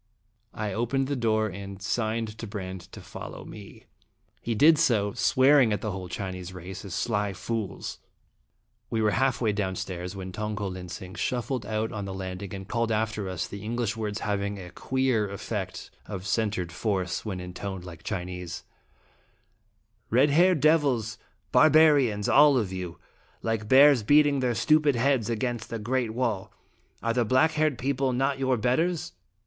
I opened the door, and signed to Brande to follow me. He did so, swearing at the whole Chinese race as sly fools. We n8 f&tye ^Dramatic in Iflg were half way downstairs, when Tong ko lin sing shuffled out on the landing and called after us, the English words having a queer effect of centred force when intoned like Chinese :" Red haired devils ! barbarians ! all of you ! Like bears beating their stupid heads against the Great Wall. Are the black haired people not your betters?